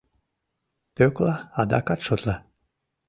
Пӧкла адакат шотла.